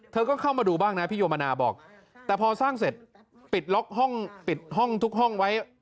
เธอก็เข้ามาดูบ้างนะพี่โยมนาบอกแต่พอสร้างเสร็จปิดล็อกห้องปิดห้องทุกห้องไว้